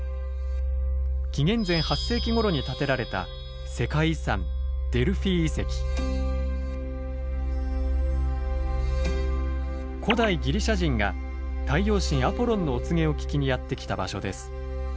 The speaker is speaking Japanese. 紀元前８世紀ごろに建てられた古代ギリシャ人が太陽神アポロンのお告げを聞きにやって来た場所です。